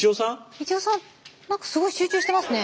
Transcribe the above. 一葉さん何かすごい集中してますね。